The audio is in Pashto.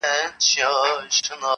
مور په ژړا سي خو عمل بدلولای نه سي,